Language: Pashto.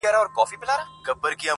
o د درد پېټی دي را نیم کړه چي یې واخلم,